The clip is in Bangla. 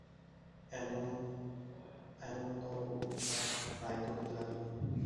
এমনতরো উৎপাত প্রায় ঘটিতে লাগিল।